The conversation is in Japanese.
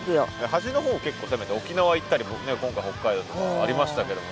端のほう結構攻めて沖縄行ったり今回北海道とかありましたけども。